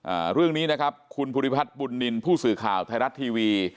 อ่าเรื่องนี้นะครับคุณภูริพัฒน์บุญนินทร์ผู้สื่อข่าวไทยรัฐทีวี